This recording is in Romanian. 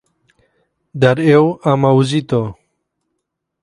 Dar eu am auzit-o.